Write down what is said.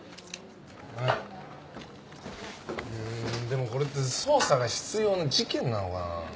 でもこれって捜査が必要な事件なのかな？